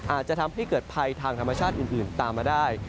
อาจจะทำให้เกิดภัยทางธรรมชาติอื่นตามมาได้